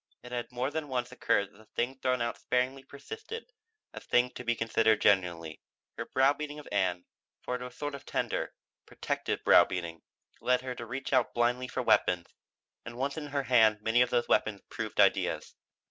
It had more than once occurred that the thing thrown out sparingly persisted as thing to be considered genuinely. Her browbeating of Ann for it was a sort of tender, protective browbeating led her to reach out blindly for weapons, and once in her hand many of those weapons proved ideas.